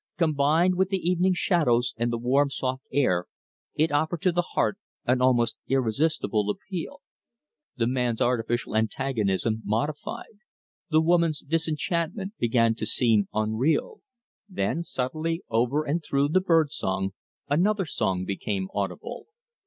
Combined with the evening shadows and the warm soft air, it offered to the heart an almost irresistible appeal. The man's artificial antagonism modified; the woman's disenchantment began to seem unreal. Then subtly over and through the bird song another sound became audible.